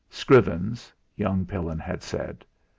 Scrivens young Pillin had said!